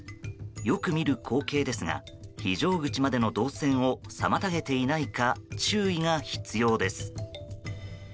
よく見る光景ですが非常口までの動線を妨げていないか注意が必要です。